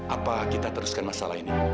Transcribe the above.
apa kita teruskan masalah ini